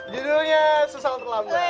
judulnya susah terlambat